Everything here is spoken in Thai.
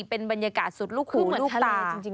เป็นบรรยากาศสุดลูกหูลูกตา